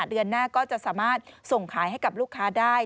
เดือนหน้าก็จะสามารถส่งขายให้กับลูกค้าได้